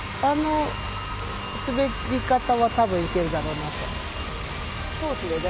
あの滑り方は多分いけるだろうなと。